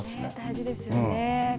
大事ですよね。